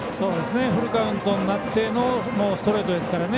フルカウントになってのストレートですからね。